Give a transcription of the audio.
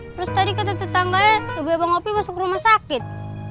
terus tadi kata tetangganya ibu abang opi masuk rumah sakit